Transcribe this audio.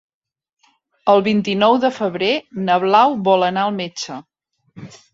El vint-i-nou de febrer na Blau vol anar al metge.